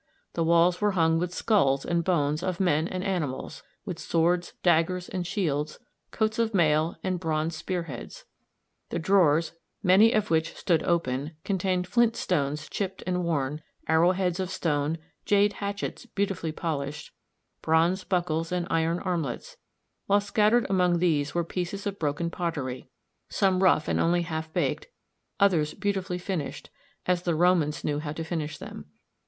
The walls were hung with skulls and bones of men and animals, with swords, daggers, and shields, coats of mail, and bronze spear heads. The drawers, many of which stood open, contained flint stones chipped and worn, arrowheads of stone, jade hatchets beautifully polished, bronze buckles and iron armlets; while scattered among these were pieces of broken pottery, some rough and only half baked, others beautifully finished, as the Romans knew how to finish them.